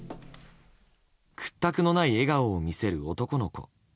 屈託のない笑顔を見せる男の子。